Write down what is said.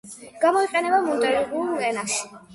გამოიყენება მონტენეგრულ ენაში.